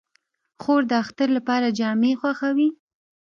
خور د اختر لپاره جامې خوښوي.